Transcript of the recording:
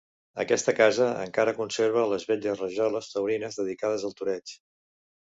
Aquesta casa encara conserva les belles rajoles taurines dedicades al toreig.